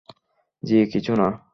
জি, কিছু না।